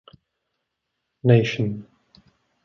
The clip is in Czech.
Nation.